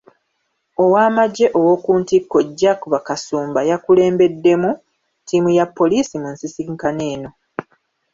Owamajje ow'okuntiko Jack Bakasumba y'akulembeddemu ttiimu ya poliisi mu nsisinkano eno.